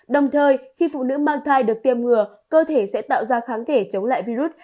đồng thời khi phụ nữ mang thai được tiêm ngừa cơ thể sẽ tạo ra kháng thể chống lại virus